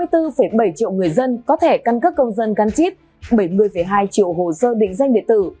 tám mươi bốn bảy triệu người dân có thể căn cấp công dân gắn chít bảy mươi hai triệu hồ sơ định danh địa tử